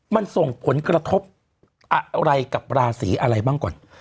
มันส่งผลกระทบอะไรกับราศีอะไรบ้างก่อน